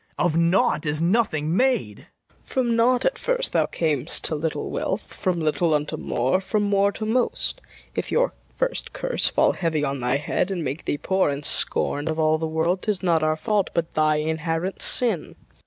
Of naught is nothing made. FIRST KNIGHT. From naught at first thou cam'st to little wealth, ]From little unto more, from more to most: If your first curse fall heavy on thy head, And make thee poor and scorn'd of all the world, 'Tis not our fault, but thy inherent sin.